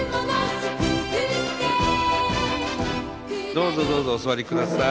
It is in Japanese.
どうぞどうぞお座りください。